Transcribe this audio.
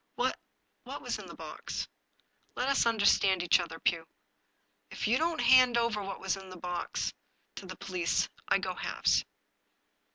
What — ^what was in the box ?"" Let us understand each other, Pugh. If you don't hand over what was in the box to the police, I go halves."